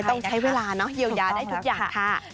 ต้องใช้เวลาเนอะเยียวยาได้ทุกอย่างค่ะ